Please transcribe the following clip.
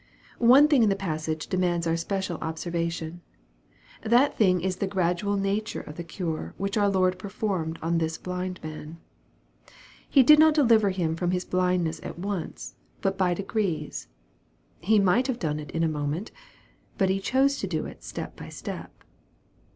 One thing in the passage demands our special obser vation. That thing is the gradual nature of the care which our Lord performed on this blind man. He did not deliver him from his blindness at once, but by de grees. He might have done it in a moment, but He chose to do it step by step.